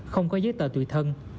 không có giấy tờ tụi thân